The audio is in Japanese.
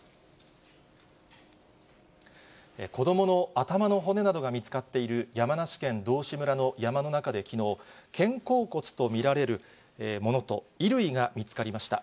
子どもの頭の骨などが見つかっている山梨県道志村の山の中できのう、肩甲骨と見られるものと、衣類が見つかりました。